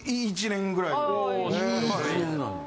１年ぐらい。